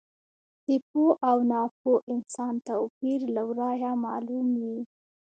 د پوه او ناپوه انسان توپیر له ورایه معلوم وي.